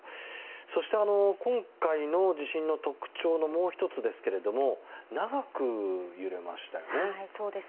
そして、今回の地震の特徴のもう１つですが長く揺れましたよね。